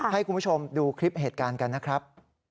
ให้คุณผู้ชมดูคลิปเหตุการณ์กันนะครับ